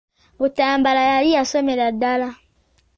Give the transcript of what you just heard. Butambala yali yasomera ddala.